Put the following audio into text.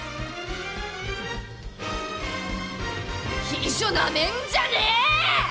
秘書なめんじゃねえ！！